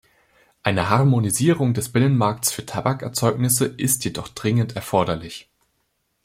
Eine Harmonisierung des Binnenmarkts für Tabakerzeugnisse ist jedoch dringend erforderlich.